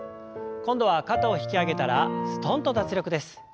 今度は肩を引き上げたらすとんと脱力です。